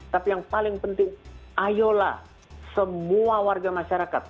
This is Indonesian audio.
tapi yang paling penting ayolah semua warga masyarakat